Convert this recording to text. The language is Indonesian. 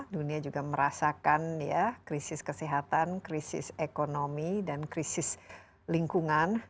dunia juga merasakan krisis kesehatan krisis ekonomi dan krisis lingkungan